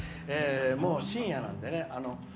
もう深夜なんでね。